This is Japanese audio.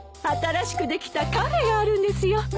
新しくできたカフェがあるんですよ。